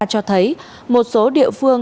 cho thấy một số địa phương